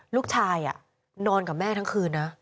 ลูกชายนอนกับแม่ทั้งคืนนะ